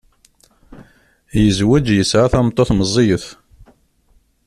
Yezweǧ yesɛa tameṭṭut meẓẓiyet.